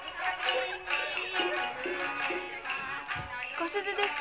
小鈴です。